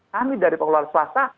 kami dari pengelola swasta